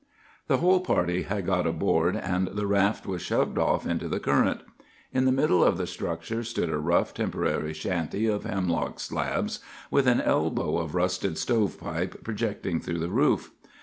"The whole party had got aboard, and the raft was shoved off into the current. In the middle of the structure stood a rough, temporary shanty of hemlock slabs, with an elbow of rusted stovepipe projecting through the roof.